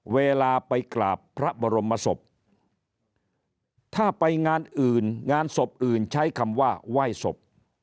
เวลาไปกราบพระบรมศพถ้าไปงานอื่นงานศพอื่นใช้คำว่าไหว้ศพ